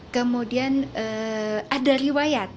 kemudian ada riwayat